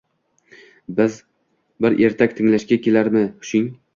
Bir ertak tinglashga kelarmi hushing?!